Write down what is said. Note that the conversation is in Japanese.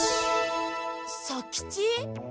左吉？